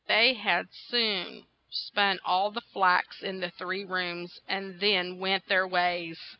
They had soon spun all the flax in the three rooms, and then went their ways.